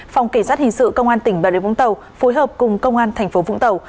phòng kỳ sát hình sự công an tỉnh bà rịa vũng tàu phối hợp cùng công an thành phố vũng tàu